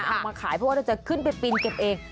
เอามาขายเพราะว่าเราจะขึ้นไปปีนเก็บเอง